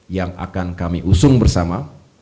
yang akan kami usung bersama